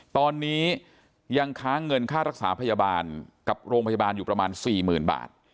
ตอนนี้ยังค้างเงินค่ารักษาพยาบาลกับโรงพยาบาลอยู่ประมาณ๔๐๐๐บาท